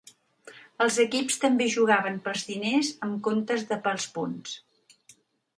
Els equips també jugaven pels diners en comptes de pels punts.